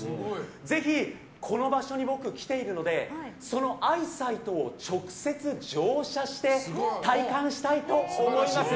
ぜひ、この場所に僕来ているのでそのアイサイトを直接、乗車して体感したいと思います！